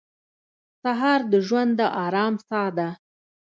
سهار د ژوند د ارام ساه ده.